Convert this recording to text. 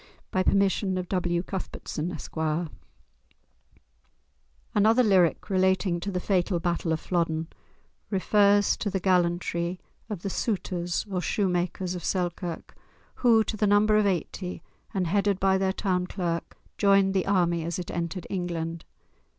By permission of W. Cuthbertson, Esq. Another lyric, relating to the fatal battle of Flodden, refers to the gallantry of the Souters, or shoemakers of Selkirk, who, to the number of eighty, and headed by their town clerk, joined the army as it entered England.